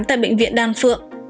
tại bệnh viện đan phượng